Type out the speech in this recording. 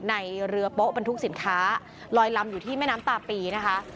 ในเรือโป๊ะบรรทุกสินค้าลอยลำอยู่ที่แม่น้ำตาปีนะคะ